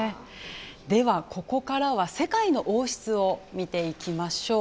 では、ここからは世界の王室を見ていきましょう。